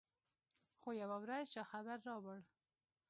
خو يوه ورځ چا خبر راوړ.